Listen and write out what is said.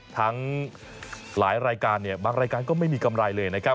ทั้งหลายรายการเนี่ยบางรายการก็ไม่มีกำไรเลยนะครับ